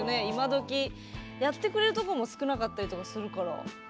今どきやってくれるところも少なかったりとかするから。